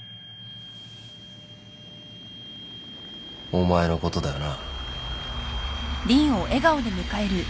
お前のことだよな？